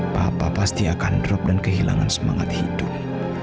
papa pasti akan drop dan kehilangan semangat hidup